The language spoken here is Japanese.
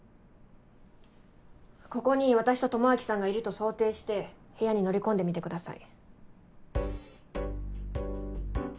ここに私と智明さんがいると想定して部屋に乗り込んでみてください。